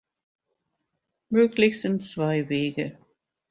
Möglich sind zwei Wege.